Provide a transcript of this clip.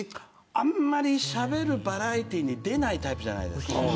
あんまりしゃべるバラエティーに出ないタイプじゃないですか。